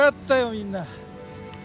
みんな。